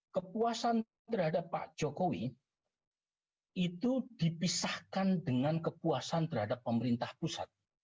kepuasan terhadap pak jokowi itu dipisahkan dengan kepuasan terhadap pemerintah pusat